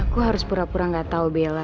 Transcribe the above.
aku harus pura pura gak tau bella